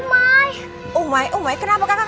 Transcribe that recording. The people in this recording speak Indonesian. terima kasih telah merayakan